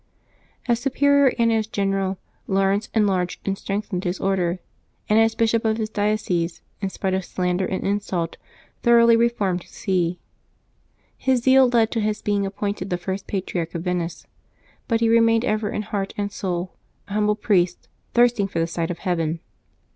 As superior and as general, Laurence enlarged and strengthened his Order, and as bishop of his diocese, in spite of slander and insult, thoroughly reformed his see. His zeal led to his being appointed the first patri arch of Venice, but he remained ever in heart and soul an humble priest, thirsting for the sight of heaven.